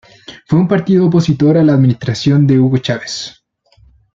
Fue un partido opositor a la administración de Hugo Chávez.